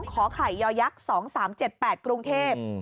๒ขอข่ายยอยักษ์๒๓๗๘กรุงเทพฯ